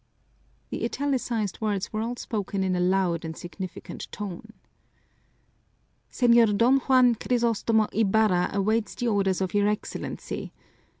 _" The italicized words were all spoken in a loud and significant tone. "Señor Don Juan Crisostomo Ibarra awaits the orders of your Excellency!"